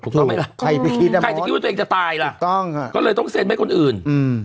ถูกต้องไหมล่ะใครไปคิดอ่ะใครจะคิดว่าตัวเองจะตายล่ะถูกต้องค่ะก็เลยต้องเซ็นให้คนอื่นอืม